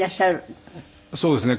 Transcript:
そうですね。